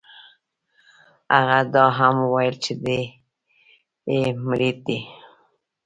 هغه دا هم وویل چې دی یې مرید دی.